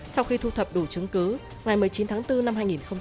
sau khi thu thập đủ chứng cứ ngày một mươi chín tháng bốn năm hai nghìn hai mươi